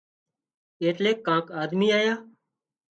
ايٽليڪ ڪانڪ آۮمي آيا